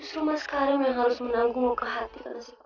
aku semua mas karim yang harus menanggungmu ke hati karena sebab aku ini